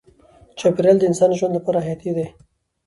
چاپیریال د انسان ژوند لپاره حیاتي دی.